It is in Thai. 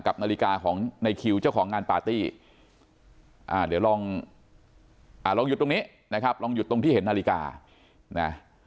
กับนาฬิกาของในคิวเจ้าของงานปาร์ตี้เดี๋ยวลองหยุดตรงนี้นะครับลองหยุดตรงที่เห็นนาฬิกานะ